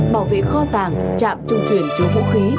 bảo vệ kho tàng trạm trung chuyển chứa vũ khí